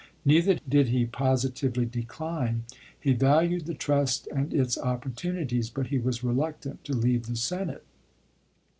Neither did he positively decline. p 365' He valued the trust and its opportunities, but he was reluctant to leave the Senate.